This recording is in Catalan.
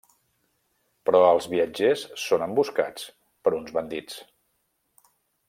Però els viatgers són emboscats per uns bandits.